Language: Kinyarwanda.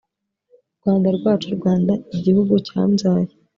rwanda rwacu rwanda gihugu cyambyaye